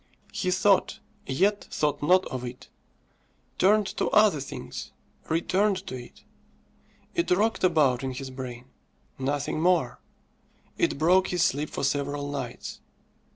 He thought, yet thought not of it; turned to other things returned to it. It rocked about in his brain nothing more. It broke his sleep for several nights.